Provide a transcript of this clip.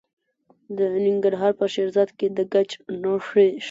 د ننګرهار په شیرزاد کې د ګچ نښې شته.